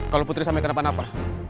kalau putri sampai kenapa napa